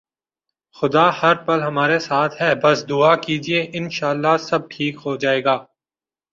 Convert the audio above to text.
خدا ہر پل ہمارے ساتھ ہے بس دعا کیجئے، انشاءاللہ سب ٹھیک ہوجائےگا